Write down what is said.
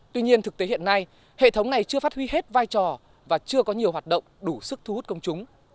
tuy nhiên thực tế hiện nay hệ thống này chưa phát huy hết vai trò và chưa có nhiều hoạt động đủ sức thu hút công chúng